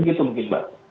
begitu mungkin mbak